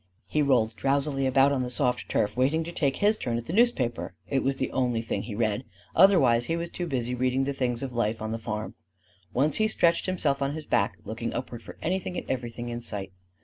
He rolled drowsily about on the soft turf, waiting to take his turn at the newspaper: it was the only thing he read: otherwise he was too busy reading the things of life on the farm. Once he stretched himself on his back, looking upward for anything and everything in sight.